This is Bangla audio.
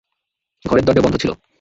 ঘরের দরজা বন্ধ ছিল।